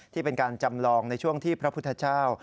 ที่เป็นการจำลองในช่วงที่พระพุทธเจ้า